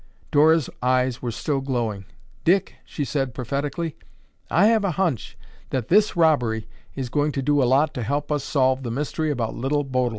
Dora's eyes were still glowing. "Dick," she said prophetically, "I have a hunch that this robbery is going to do a lot to help us solve the mystery about Little Bodil.